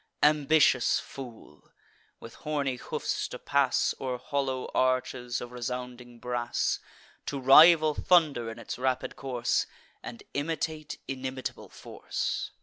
Ambitious fool! with horny hoofs to pass O'er hollow arches of resounding brass, To rival thunder in its rapid course, And imitate inimitable force!